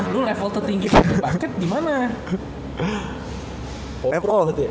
lu level tertinggi di basket gimana